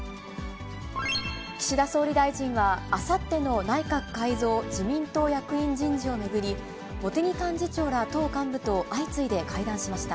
岸田総理大臣は、あさっての内閣改造、自民党役員人事を巡り、茂木幹事長ら、党幹部と相次いで会談しました。